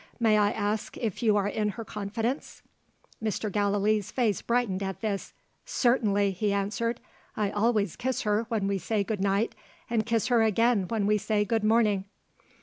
May I ask if you are in her confidence?" Mr. Gallilee's face brightened at this. "Certainly," he answered. "I always kiss her when we say good night, and kiss her again when we say good morning."